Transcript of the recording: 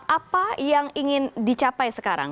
apa yang ingin dicapai sekarang